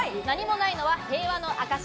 何もないのは平和の証。